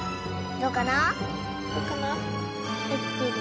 どうかな？